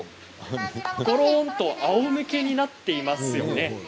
ごろんとあおむけになっていますよね。